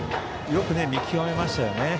よく見極めましたよね。